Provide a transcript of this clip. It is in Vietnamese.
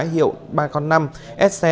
hiệu ba con năm sce